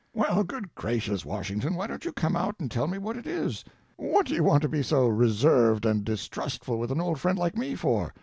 "Well, good gracious, Washington, why don't you come out and tell me what it is? What, do you want to be so reserved and distrustful with an old friend like me for?